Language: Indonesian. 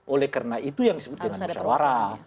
oleh karena itu yang disebut dengan usaha warang